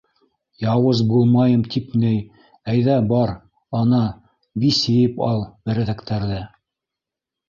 - Яуыз булмайым тип ней, әйҙә, бар, ана, бис йыйып ал берәҙәктәрҙе!